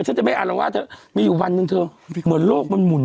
ฉันจะไม่อารวาสเธอมีอยู่วันหนึ่งเธอเหมือนโลกมันหมุน